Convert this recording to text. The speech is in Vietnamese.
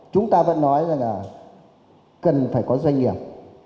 chúng ta vẫn nói là cần phải có doanh nghiệp